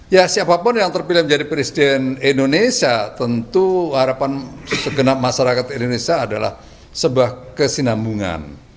ya siapapun yang terpilih menjadi presiden indonesia tentu harapan segenap masyarakat indonesia adalah sebuah kesinambungan